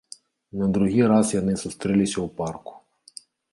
На другі раз яны сустрэліся ў парку.